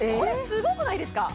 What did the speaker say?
すごくないですか？